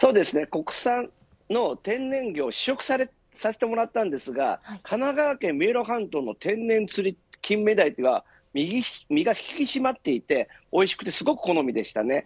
国産の天然魚試食させてもらったんですが神奈川県三浦半島の天然釣りの金目鯛というのは身が引き締まっていておいしくてすごく好みでしたね。